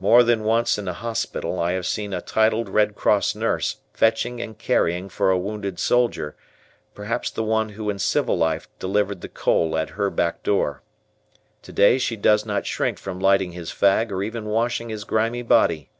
More than once in a hospital I have seen a titled Red Cross nurse fetching and carrying for a wounded soldier, perhaps the one who in civil life delivered the coal at her back door. Today she does not shrink from lighting his fag or even washing his grimy body.